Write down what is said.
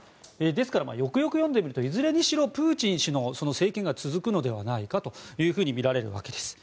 ですから、よくよく読んでみるといずれにしろプーチン氏の政権が続くのではないかとみられるわけです。